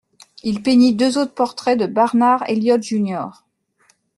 Il peignit deux autres portraits de Barnard Elliott Jr.